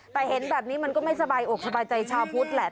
แต่เห็นแบบนี้มันก็ไม่สบายอกสบายใจชาวพุทธแหละ